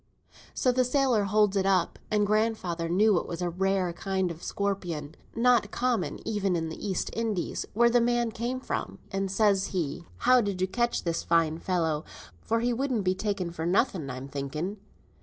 So the sailor holds it up, and grandfather knew it was a rare kind o' scorpion, not common even in the East Indies where the man came from; and says he, 'How did ye catch this fine fellow, for he wouldn't be taken for nothing I'm thinking?'